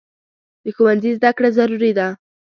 د ښوونځي زده کړه ضروري ده.